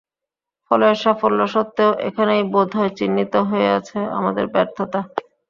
ফলে সাফল্য সত্ত্বেও এখানেই বোধ হয় চিহ্নিত হয়ে আছে আমাদের ব্যর্থতা।